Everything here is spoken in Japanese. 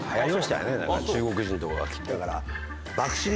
中国人とかが来てだから。